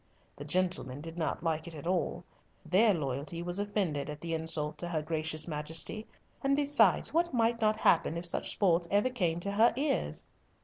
The gentlemen did not like it at all: their loyalty was offended at the insult to her gracious Majesty, and besides, what might not happen if such sports ever came to her ears?